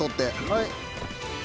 はい。